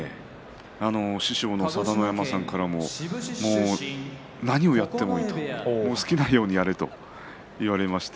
師匠の佐田の山さんからも何をやってもいいと好きなようにやれと言われましたね。